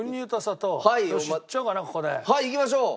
はいいきましょう。